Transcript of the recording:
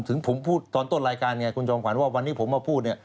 ถึงผมพูดตอนต้นรายการไงคุณจอมขวัญว่าวันนี้ผมมาพูดเนี่ย